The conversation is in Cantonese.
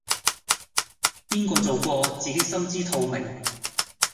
邊個做過自己心知肚明